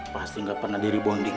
pasti gak pernah diri bonding